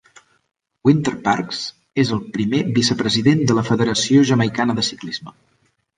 Wynter-Parks és el primer vicepresident de la Federació Jamaicana de Ciclisme.